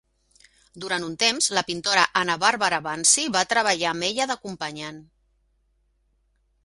Durant un temps, la pintora Anna Barbara Bansi va treballar amb ella d'acompanyant.